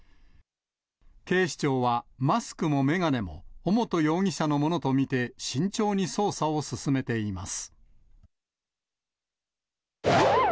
警視庁はマスクも眼鏡も、尾本容疑者のものと見て慎重に捜査を進めています。